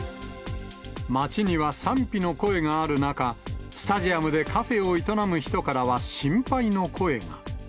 街には賛否の声がある中、スタジアムでカフェを営む人からは心配の声が。